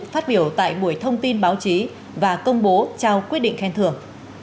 phát biểu tại buổi thông tin báo chí và công bố trao quyết định khen thưởng